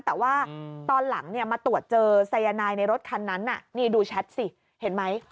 แต่ว่าตอนหลังมาตรวจเจอสายนายในรถคันนั้นนี่ดูแชทสิเห็นไหม